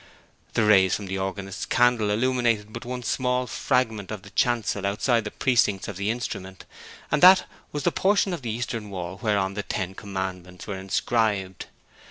The rays from the organist's candle illuminated but one small fragment of the chancel outside the precincts of the instrument, and that was the portion of the eastern wall whereon the ten commandments were inscribed.